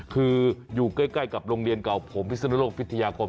คืออยู่ใกล้กับโรงเรียนเก่าผมพิศนุโลกพิทยาคม